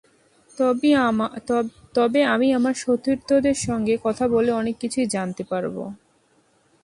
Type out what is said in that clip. তবে আমি আমার সতীর্থদের সঙ্গে কথা বলে অনেক কিছুই জানতে পারব।